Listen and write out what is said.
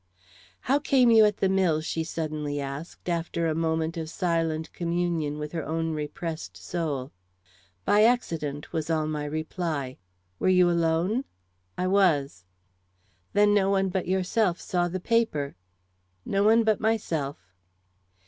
"How came you at the mill?" she suddenly asked, after a moment of silent communion with her own repressed soul. "By accident," was all my reply. "Were you alone?" "I was." "Then no one but yourself saw the paper?" "No one but myself."